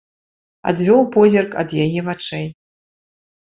Адвёў позірк ад яе вачэй.